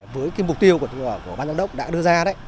với cái mục tiêu của ban giám đốc đã đưa ra đấy